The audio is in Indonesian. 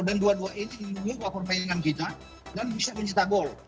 dan dua dua ini menunggu performa yang kita dan bisa mencetak gol